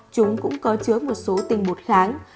chúng cũng có chứa một số tinh bột kháng